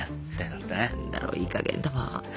何だろいいかげんだわ。